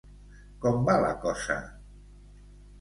Com va la cosa?